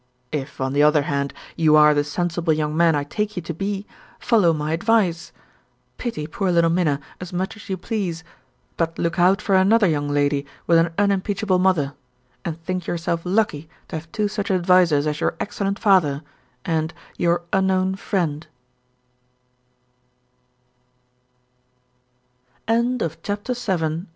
If, on the other hand, you are the sensible young man I take you to be, follow my advice. Pity poor little Minna as much as you please, but look out for another young lady with an unimpeachable mother; and think yourself lucky to have two such advisers as your excellent father, and Your Unknown Friend."